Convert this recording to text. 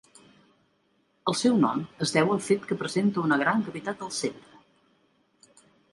El seu nom es deu al fet que presenta una gran cavitat al centre.